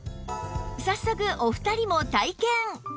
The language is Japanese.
早速お二人も体験！